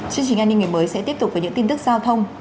chương trình an ninh ngày mới sẽ tiếp tục với những tin tức giao thông